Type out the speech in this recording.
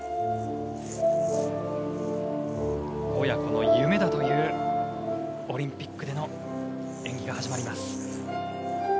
親子の夢だというオリンピックでの演技が始まります。